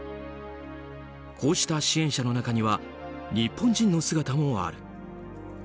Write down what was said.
こうした支援者の中には日本人の姿もある。